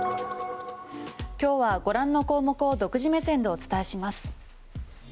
今日はご覧の項目を独自目線でお伝えします。